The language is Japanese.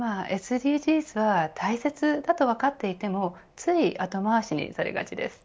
ＳＤＧｓは大切だと分かっていてもつい後回しにされがちです。